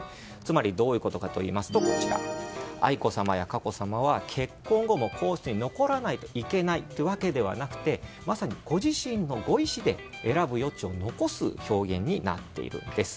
どういうことかといいますと愛子さまや佳子さまは結婚後も皇室に残らないといけないわけではなくてまさにご自身のご意志で選ぶ余地を残す表現になっています。